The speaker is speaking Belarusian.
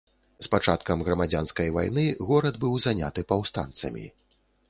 З пачаткам грамадзянскай вайны горад быў заняты паўстанцамі.